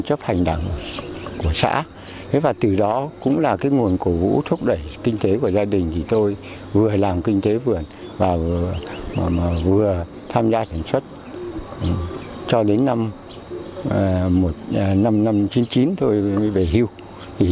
tôi đã làm chấp hành đảng của xã và từ đó cũng là nguồn cổ vũ thúc đẩy kinh tế của gia đình tôi vừa làm kinh tế vườn và vừa tham gia sản xuất cho đến năm một nghìn chín trăm chín mươi chín thôi mới về hưu